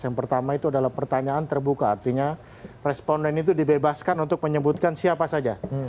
yang pertama itu adalah pertanyaan terbuka artinya responden itu dibebaskan untuk menyebutkan siapa saja